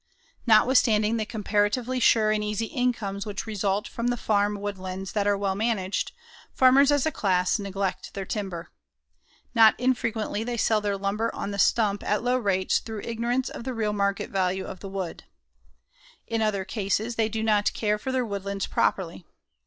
Notwithstanding the comparatively sure and easy incomes which result from the farm woodlands that are well managed, farmers as a class neglect their timber. Not infrequently they sell their timber on the stump at low rates through ignorance of the real market value of the wood. In other cases, they do not care for their woodlands properly.